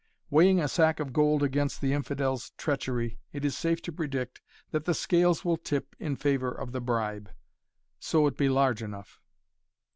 "Weighing a sack of gold against the infidel's treachery, it is safe to predict that the scales will tip in favor of the bribe so it be large enough."